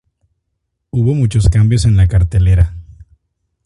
Hubo muchos cambios en la cartelera.